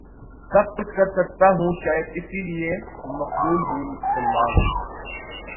سب کچھ کرسکتا ہوں شاید اس لیے مقبول ہوں سلمان